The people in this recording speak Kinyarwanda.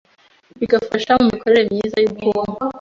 bigafasha mu mikorere myiza y’ubwonko.